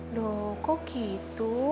duh kok gitu